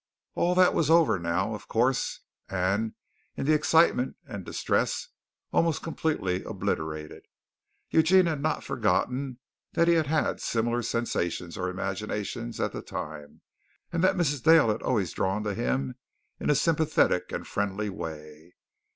All that was over now, of course, and in the excitement and distress, almost completely obliterated. Eugene had not forgotten that he had had similar sensations or imaginations at the time, and that Mrs. Dale had always drawn to him in a sympathetic and friendly way.